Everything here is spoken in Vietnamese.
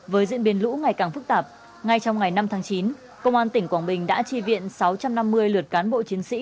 với diễn biến lũ ngày càng phức tạp ngay trong ngày năm tháng chín công an tỉnh quảng bình đã chi viện sáu trăm năm mươi lượt cán bộ chiến sĩ